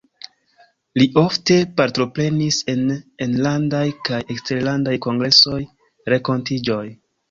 Li ofte partoprenis en enlandaj kaj eksterlandaj kongresoj, renkontiĝoj.